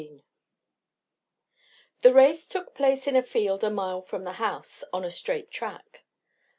XV The race took place in a field a mile from the house, on a straight track.